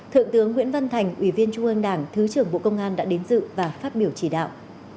thượng tướng nguyễn văn thành ủy viên trung ương đảng thứ trưởng bộ công an đã đến dự và phát biểu chỉ đạo